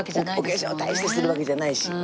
お化粧大してしてるわけじゃないし。